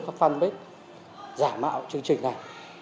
các fanpage giả mạo chương trình này